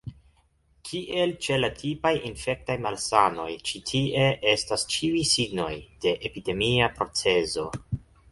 Kiel ĉe la tipaj infektaj malsanoj, ĉi tie estas ĉiuj signoj de epidemia procezo.